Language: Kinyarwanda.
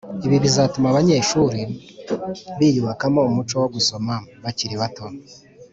ibi bizatuma abanyeshuri biyubakamo umuco wo gusoma bakiri bato